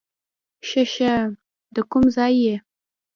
ښه ښه، د کوم ځای یې؟